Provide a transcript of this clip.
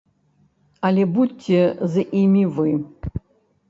Але будзьце з імі вы.